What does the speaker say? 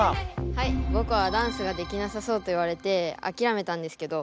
はいぼくはダンスができなさそうといわれてあきらめたんですけど